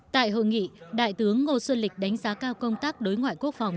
tại hội nghị đại tướng ngô xuân lịch đánh giá cao công tác đối ngoại quốc phòng